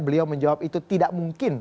beliau menjawab itu tidak mungkin